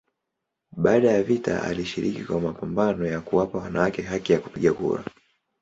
Baada ya vita alishiriki katika mapambano ya kuwapa wanawake haki ya kupiga kura.